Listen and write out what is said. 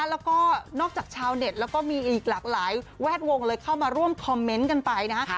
แล้วก็นอกจากชาวเน็ตแล้วก็มีอีกหลากหลายแวดวงเลยเข้ามาร่วมคอมเมนต์กันไปนะฮะ